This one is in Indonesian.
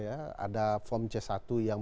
ada form c satu yang